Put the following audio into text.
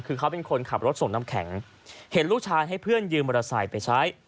คือเขาเป็นคนขับรถส่งน้ำแข็งเห็นลูกชายให้เพื่อนยืมมอเตอร์ไซค์ไปใช้